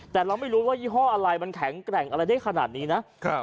แต่เราไม่รู้ว่ายี่ห้ออะไรมันแข็งแกร่งอะไรได้ขนาดนี้นะ